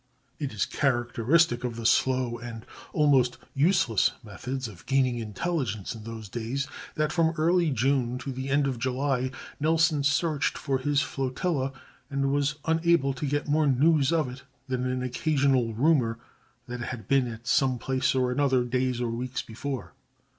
It is characteristic of the slow and almost useless methods of gaining intelligence in those days, that from early June to the end of July Nelson searched for this flotilla, and was unable to get more news of it than an occasional rumor that it had been at some place or other days or weeks before.